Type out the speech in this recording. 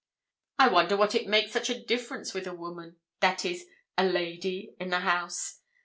"I wonder what it is makes such a difference with a woman that is, a lady in the house?"